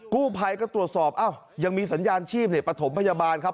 กู้ภัยก็ตรวจสอบอ้าวยังมีสัญญาณชีพประถมพยาบาลครับ